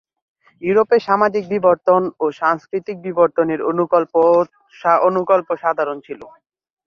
ইউরোপে সামাজিক বিবর্তন ও সাংস্কৃতিক বিবর্তনের অনুকল্প সাধারণ ছিল।